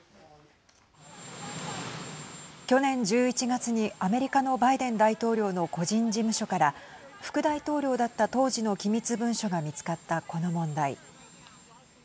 去年１１月にアメリカのバイデン大統領の個人事務所から副大統領だった当時の機密文書が見つかったこの問題。